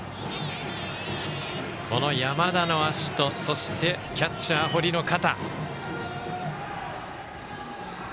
山田の足とキャッチャー、堀の肩。